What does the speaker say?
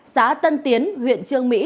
xã tân tiến huyện trương mỹ